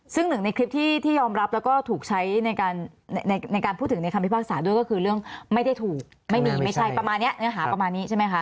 ซึ่งหนึ่งในคลิปที่ยอมรับแล้วก็ถูกใช้ในการในการพูดถึงในคำพิพากษาด้วยก็คือเรื่องไม่ได้ถูกไม่มีไม่ใช่ประมาณนี้เนื้อหาประมาณนี้ใช่ไหมคะ